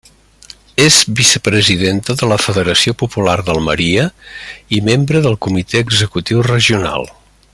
És vicepresidenta de la federació popular d'Almeria i membre del comitè executiu regional.